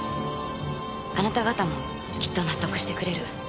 あなた方もきっと納得してくれる。